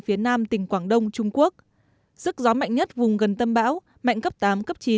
phía nam tỉnh quảng đông trung quốc sức gió mạnh nhất vùng gần tâm bão mạnh cấp tám cấp chín